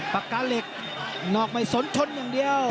ปากกาเหล็กนอกไม่สนชนอย่างเดียว